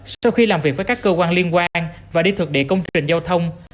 sau khi làm việc với các cơ quan liên quan và đi thực định công thức trình giao thông